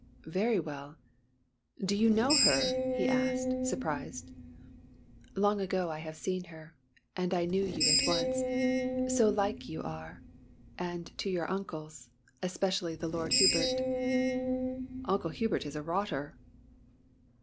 "Very well do you know her?" he asked, surprised. "Long ago I have seen her, and I knew you at once, so like you are and to your uncles, especially the Lord Hubert." "Uncle Hubert is a rotter!"